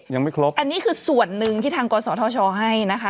ยังไม่ครบอันนี้คือส่วนหนึ่งที่ทางกศธชให้นะคะ